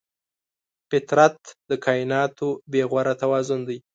فطرت د کایناتو بېغوره توازن دی.